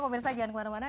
mau bisa jangan kemana mana